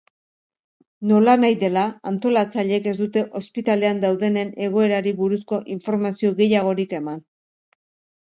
Nolanahi dela, antolatzaileek ez dute ospitalean daudenen egoerari buruzko informazio gehiagorik eman.